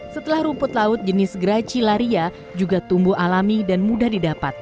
setelah rumput laut jenis gracilaria juga tumbuh alami dan mudah didapat